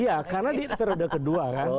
iya karena dia periode kedua kan